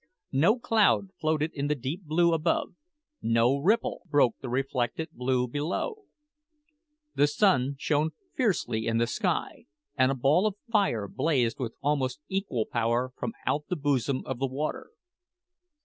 No cloud floated in the deep blue above, no ripple broke the reflected blue below. The sun shone fiercely in the sky, and a ball of fire blazed with almost equal power from out the bosom of the water.